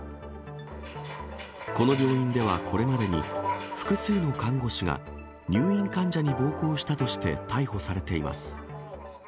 この病院ではこれまでに、複数の看護師が入院患者に暴行したとして、逮捕されています。